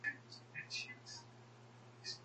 kila kitu katika uwezo wao kudumisha amani na